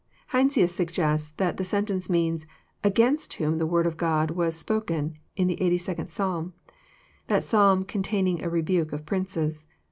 223 Hetnsius snggests that the sentence means *' agahxat whom the word of God was " spoken in the 82d Psalm : that Psalm containing a rebuke of princes.